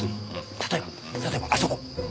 例えば例えばあそこ。